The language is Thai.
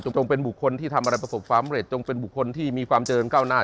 จงเป็นบุคคลที่ทำอะไรประสบความเร็จจงเป็นบุคคลที่มีความเจริญก้าวหน้า